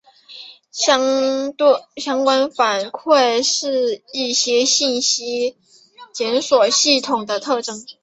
相关反馈是一些信息检索系统的特征。